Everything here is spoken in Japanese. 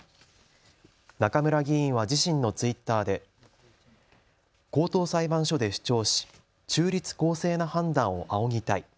中村議員は自身のツイッターで高等裁判所で主張し中立公正な判断を仰ぎたい。